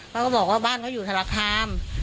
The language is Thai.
เขาก็บอกว่าบ้านเขาอยู่ธนาคาร